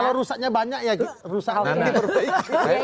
kalau rusaknya banyak ya rusakannya perbaikan